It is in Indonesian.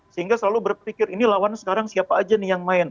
sehingga selalu berpikir ini lawan sekarang siapa aja nih yang main